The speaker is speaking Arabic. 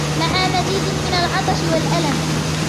مع مزيد من العطش والألم